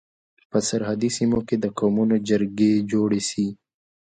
په سرحدي سيمو کي د قومونو جرګي جوړي سي.